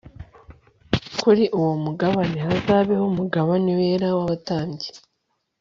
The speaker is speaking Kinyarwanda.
kuri uwo mugabane hazabeho umugabane wera w'abatambyi